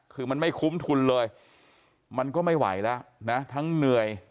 คือมันไม่คุ้มทุนเลยมันก็ไม่ไหวแล้วนะทั้งเหนื่อย